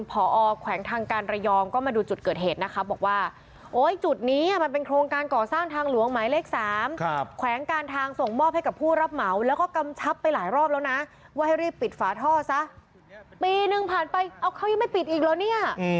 ปีนึงผ่านไปเอาเขายังไม่ปิดอีกแล้วเนี่ย